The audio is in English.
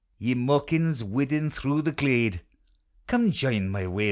Ye maukins whiddin through the glade, Come join my wail.